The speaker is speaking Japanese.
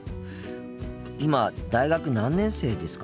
今大学何年生ですか？